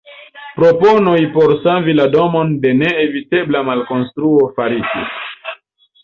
Proponoj por savi la domon de neevitebla malkonstruo faritis.